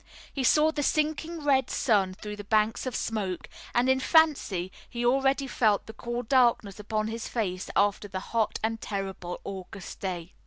He saw the sinking red sun through the banks of smoke, and in fancy he already felt the cool darkness upon his face after the hot and terrible August day.